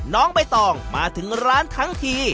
น้องใบตองมาถึงร้านทั้งที